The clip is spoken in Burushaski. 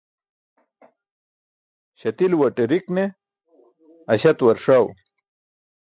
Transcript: Śatiluwate rik ne aśaatuwar ṣaw